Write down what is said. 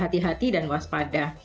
hati hati dan waspada